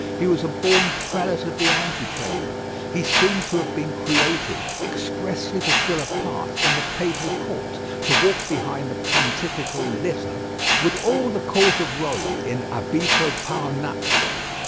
He was a born Prelate of the Antechamber. He seemed to have been created expressly to fill a part in the Papal Court, to walk behind the Pontifical litter, with all the Court of Rome in abitto paonazzo.